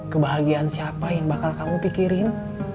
kebahagiaan siapa yang bakal kamu pikirin